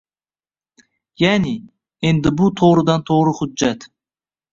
Ya'ni, endi bu to'g'ridan -to'g'ri hujjat